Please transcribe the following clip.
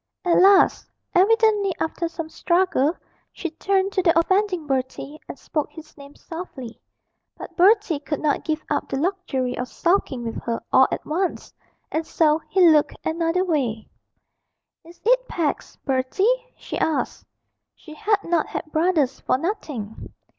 At last, evidently after some struggle, she turned to the offending Bertie, and spoke his name softly; but Bertie could not give up the luxury of sulking with her all at once, and so he looked another way. 'Is it Pax, Bertie?' she asked. (She had not had brothers for nothing.)